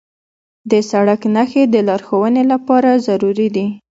د سړک نښې د لارښوونې لپاره ضروري دي.